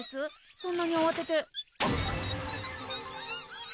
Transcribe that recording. そんなにあわててピピピ！